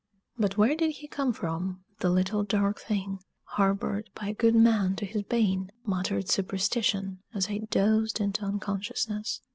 "But where did he come from, the little dark thing, harbored by a good man to his bane?" muttered Superstition, as I dozed into unconsciousness.